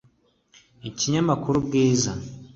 Ikinyamakuru Bwiza